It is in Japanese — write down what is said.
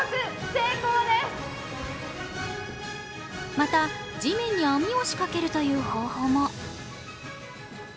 また、地面に網を仕掛けるという方法も。